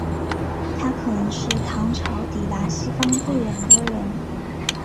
他可能是唐朝抵达西方最远的人。